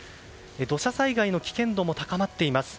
土砂災害の危険度も高まっています。